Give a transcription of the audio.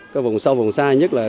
cái vùng sau vùng xa nhất là